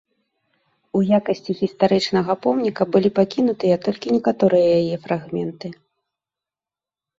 У якасці гістарычнага помніка былі пакінутыя толькі некаторыя яе фрагменты.